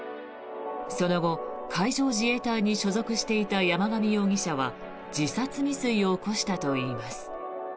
その後、海上自衛隊に所属していた山上容疑者は自殺未遂を起こしたといいます。